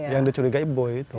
yang dicuri kayak buoy itu